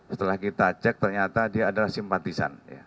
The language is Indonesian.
setelah kita cek ternyata dia adalah simpatisan